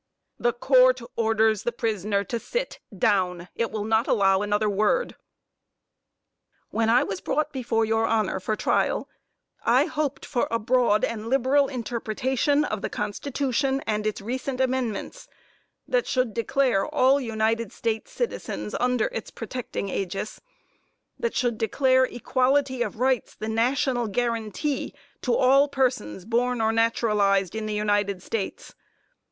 JUDGE HUNT The Court orders the prisoner to sit down. It will not allow another word. MISS ANTHONY When I was brought before your honor for trial, I hoped for a broad and liberal interpretation of the Constitution and its recent amendments, that should declare all United States citizens under its protecting ægis that should declare equality of rights the national guarantee to all persons born or naturalized in the United States.